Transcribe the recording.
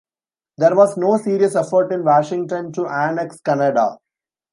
There was no serious effort in Washington to annex Canada.